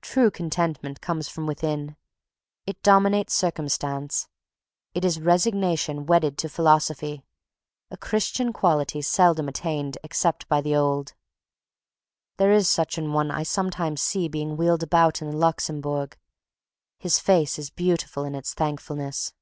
True Contentment comes from within. It dominates circumstance. It is resignation wedded to philosophy, a Christian quality seldom attained except by the old. There is such an one I sometimes see being wheeled about in the Luxembourg. His face is beautiful in its thankfulness.